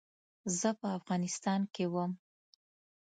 زه په افغانستان کې وم.